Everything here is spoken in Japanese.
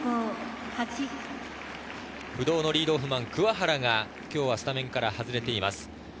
不動のリードオフマン桑原が今日はスタメンから外れています。